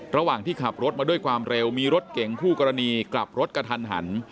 ระหว่างที่ขับรถมาด้วยความเร็วมีรถเก่งคู่กรณีกลับรถกระทันหัน